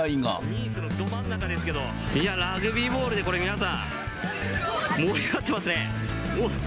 ニースのど真ん中ですけど、いや、ラグビーボールで、これ、皆さん、盛り上がってますね。